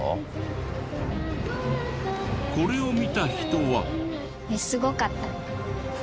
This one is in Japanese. これを見た人は。